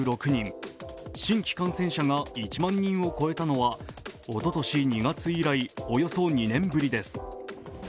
新規感染者が１万人を超えたのはおととし２月以来、およそ２年ぶりです。